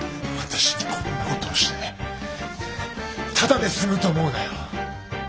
私にこんなことをしてただで済むと思うなよ。